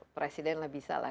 presiden lah bisa lah